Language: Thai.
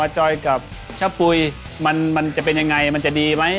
จอยกับชะปุ๋ยมันจะเป็นยังไงมันจะดีไหม